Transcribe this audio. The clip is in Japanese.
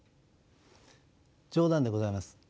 冗談でございます。